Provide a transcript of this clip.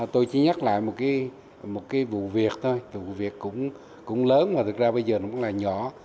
tôi chỉ nhắc lại một cái vụ việc thôi vụ việc cũng lớn mà thực ra bây giờ nó cũng là nhỏ